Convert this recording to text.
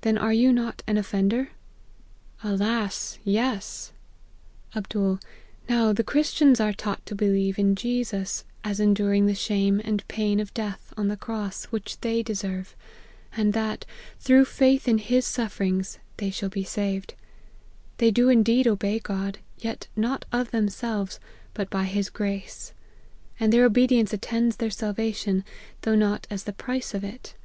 Then are you not an offender ?' "'Alas! yes.' APPENDIX. 217 .* Now the Christians are taught to be lieve in Jesus, as enduring the shame and pain of death, on the cross, which they deserve ; and that, through faith in his sufferings, they shall be saved They do indeed obey God ; yet not of themselves, but by his grace : and their obedience attends theii salvation, though not as the price of it.'